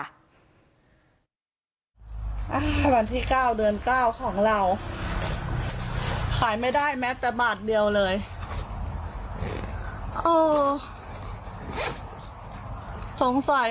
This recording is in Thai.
อ่าประมาณที่เก้าเดือนเก้าของเราขายไม่ได้แม้แต่บาทเดียวเลย